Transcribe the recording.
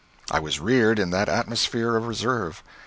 I was reared in that atmosphere of reserve.